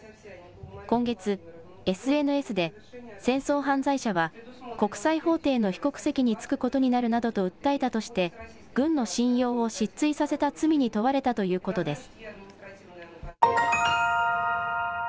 今月、ＳＮＳで戦争犯罪者は国際法廷の被告席に着くことになるなどと訴えたとして軍の信用を失墜させた罪に問われたということです。